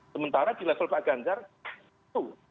sementara di level pak ganjar itu